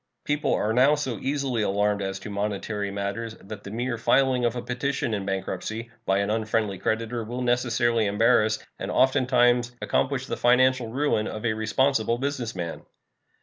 People are now so easily alarmed as to monetary matters that the mere filing of a petition in bankruptcy by an unfriendly creditor will necessarily embarrass, and oftentimes accomplish the financial ruin, of a responsible business man.